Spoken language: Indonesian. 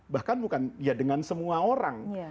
bahkan bukan ya dengan semua orang